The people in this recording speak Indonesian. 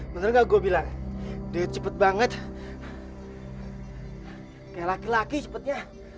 maksudnya gak gue bilang dia cepet banget kayak laki laki cepetnya